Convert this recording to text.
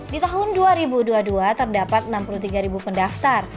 di tahun dua ribu dua puluh dua terdapat enam puluh tiga pendaftar